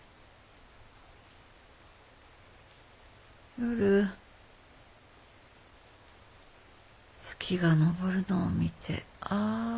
夜月が昇るのを見てああ